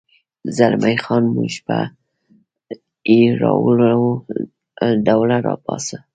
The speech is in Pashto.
زلمی خان: موږ به یې راوړو، الډو، را پاڅه.